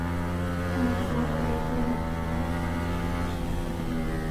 Але сітуацыя ўсё адно становіцца катастрафічнай.